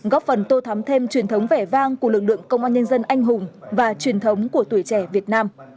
góp phần tô thắm thêm truyền thống vẻ vang của lực lượng công an nhân dân anh hùng và truyền thống của tuổi trẻ việt nam